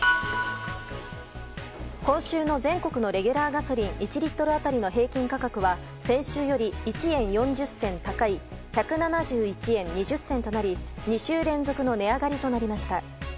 今週の全国のレギュラーガソリン１リットル当たりの平均価格は先週より１円４０銭高い１７１円２０銭となり２週連続の値上がりとなりました。